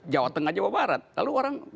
jawa tengah jawa barat lalu orang